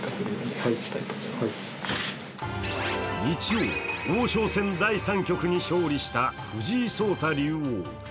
日曜、王将戦第３局に勝利した藤井聡太竜王。